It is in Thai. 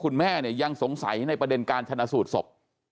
คุณแม่เนี่ยยังสงสัยในประเด็นการชนะสูตรศพ